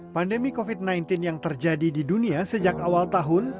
pandemi covid sembilan belas yang terjadi di dunia sejak awal tahun